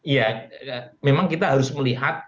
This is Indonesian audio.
ya memang kita harus melihat